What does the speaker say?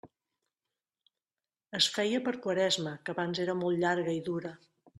Es feia per Quaresma, que abans era molt llarga i dura.